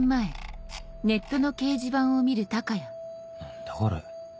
何だこれ。